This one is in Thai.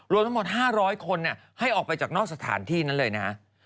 รวมทั้งหมด๕๐๐คนให้ออกไปจากนอกสถานที่นั้นเลยนะ